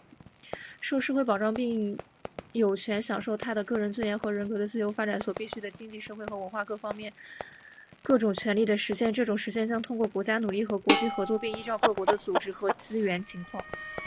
每个人、作为社会的一员，有权享受社会保障，并有权享受他的个人尊严和人格的自由发展所必需的经济、社会和文化方面各种权利的实现，这种实现将通过国家努力和国际合作并依照各国的组织和资源情况。